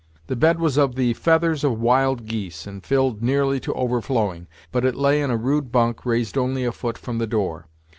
The bed was of the feathers of wild geese, and filled nearly to overflowing; but it lay in a rude bunk, raised only a foot from the door.